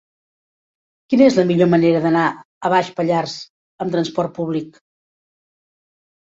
Quina és la millor manera d'anar a Baix Pallars amb trasport públic?